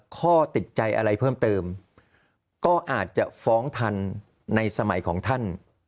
ข้อติดใจอะไรเพิ่มเติมก็อาจจะฟ้องทันในสมัยของท่าน